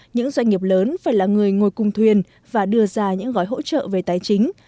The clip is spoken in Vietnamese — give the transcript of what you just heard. những doanh nghiệp lớn phải là người ngồi cùng thuyền và đưa ra những gói hỗ trợ về tài chính